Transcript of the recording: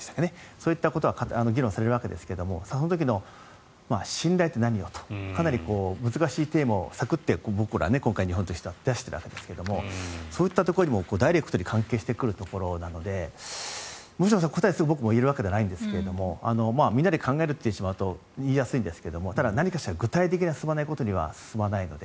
そういったことが議論されるわけですがその時の信頼って何よとかなり難しいテーマをサクッと僕ら今回、日本としては出しているわけですがそういったところにもダイレクトに関係してくるところなのでもちろん答えをすぐに僕も言えるわけではないんですがみんなで考えると言ってしまうと言いやすいんですがただ、何かしら具体的に進まないことには進まないので。